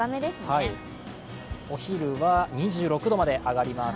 お昼は２６度まで上がります。